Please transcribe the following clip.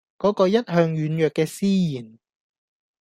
嗰個一向軟弱嘅思賢